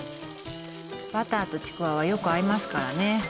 バターとちくわはよく合いますからね